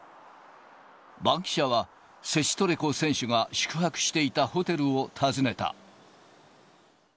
バンキシャは、セチトレコ選手が宿泊していたホテルを訪ねた。